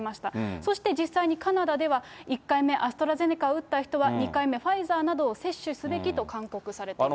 そして実際にカナダでは、１回目アストラゼネカを打った人は、２回目ファイザーなどを接種すべきと勧告されています。